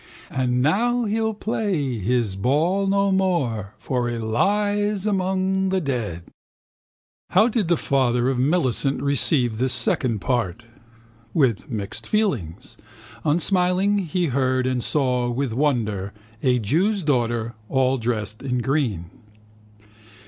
And now he'll play his ball no more For he lies among the dead. How did the father of Millicent receive this second part? With mixed feelings. Unsmiling, he heard and saw with wonder a jew's daughter, all dressed in green.